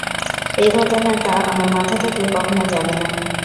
এই ঘটনাটা আমার মাথা থেকে কখনো যাবে না।